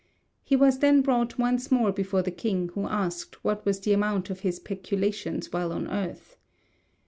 He was then brought once more before the king, who asked what was the amount of his peculations while on earth.